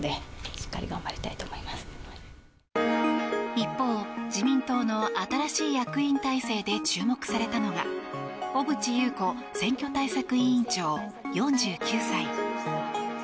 一方、自民党の新しい役員体制で注目されたのが小渕優子選挙対策委員長４９歳。